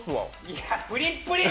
いや、プリップリ！